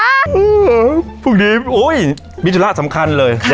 พรุ่งนี้โอ้ยมีธุระสำคัญเลย